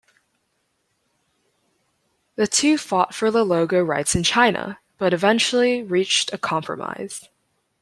The two fought for the logo rights in China, but eventually reached a compromise.